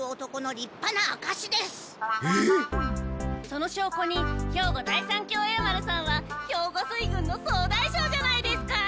そのしょうこに兵庫第三協栄丸さんは兵庫水軍の総大将じゃないですか。